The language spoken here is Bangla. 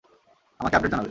আমাকে আপডেট জানাবে।